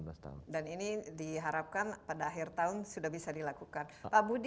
dan ini diharapkan pada akhir tahun sudah bisa dilakukan